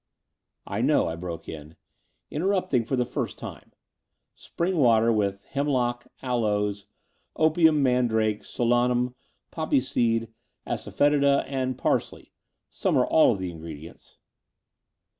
...*' I know," I broke in, interrupting for the first time —*' spring water with hemlock, aloes, opium, mandrake, solantmi, poppy seed, asafoetida, and parsley — ^some or all of the ingredients."